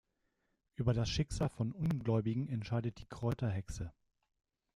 Über das Schicksal von Ungläubigen entscheidet die Kräuterhexe.